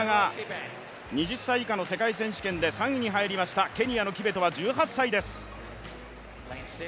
２０歳以下の世界選手権で３位に入りました、ケニアのキベトは１８歳です